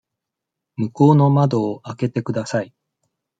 向こうの窓を開けてください。